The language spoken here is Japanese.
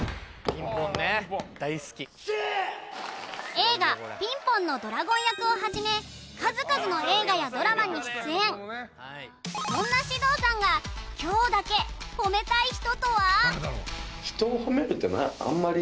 映画「ピンポン」のドラゴン役をはじめ数々の映画やドラマに出演そんな獅童さんが今日だけ褒めたい人とは？